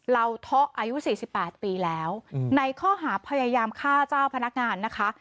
เห่าอายุ๔๘ปีแล้วในข้อหาพยายามฆ่าเจ้าพนักงานนะคะ